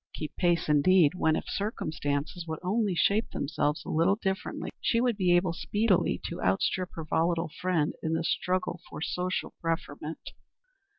Keep pace, indeed, when, if circumstances would only shape themselves a little differently, she would be able speedily to outstrip her volatile friend in the struggle for social preferment.